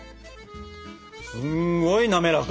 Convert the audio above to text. すんごいなめらか！